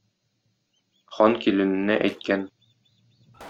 Хан килененә әйткән